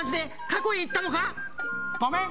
ごめん。